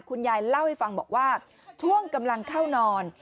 คุณยายเล่าให้ฟังบอกว่าช่วงกำลังเข้านอน